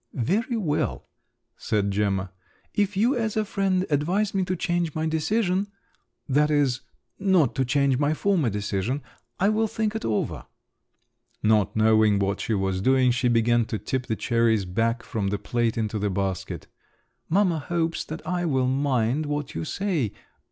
"Very well," said Gemma. "If you, as a friend, advise me to change my decision—that is, not to change my former decision—I will think it over." Not knowing what she was doing, she began to tip the cherries back from the plate into the basket…. "Mamma hopes that I will mind what you say.